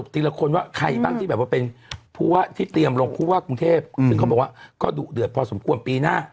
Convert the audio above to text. ทีละคนว่าใครบ้างที่แบบว่าเป็นผู้ว่าที่เตรียมลงผู้ว่ากรุงเทพซึ่งเขาบอกว่าก็ดุเดือดพอสมควรปีหน้า